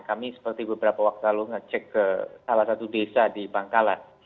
kami seperti beberapa waktu lalu ngecek ke salah satu desa di bangkalan